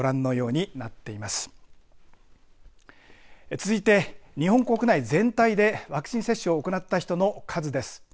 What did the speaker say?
続いて日本国内全体でワクチン接種を行った人の数です。